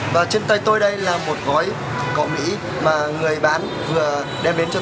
và trên tay tôi đây là một gói cỏ mỹ mà người bán vừa đem đến cho